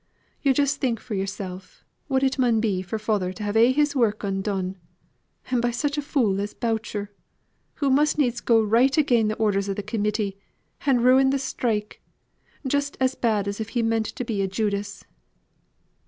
Yo' just think for yor'sel, what it mun be for father to have a' his work undone, and by such a fool as Boucher, who must needs go right again the orders of Committee, and ruin th' strike, just as bad as if he meant to be a Judas.